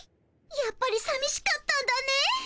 やっぱりさみしかったんだね。